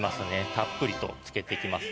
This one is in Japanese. たっぷりとつけて行きます。